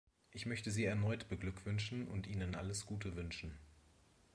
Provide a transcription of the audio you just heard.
Ich möchte Sie erneut beglückwünschen und Ihnen alles Gute wünschen.